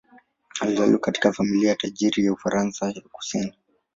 Alizaliwa katika familia tajiri ya Ufaransa ya kusini.